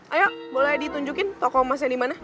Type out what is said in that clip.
ayo boleh ditunjukin toko emasnya dimana